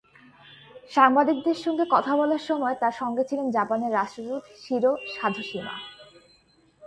সংবাদিকদের সঙ্গে কথা বলার সময় তাঁর সঙ্গে ছিলেন জাপানের রাষ্ট্রদূত শিরো সাধোশিমা।